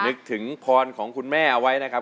นึกถึงพรของคุณแม่เอาไว้นะครับ